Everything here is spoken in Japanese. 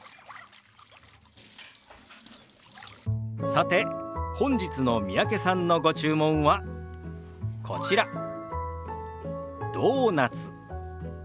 さて本日の三宅さんのご注文はこちら「ドーナツ」。